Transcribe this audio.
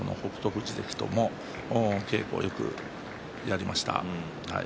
富士関とも稽古をよくやりました。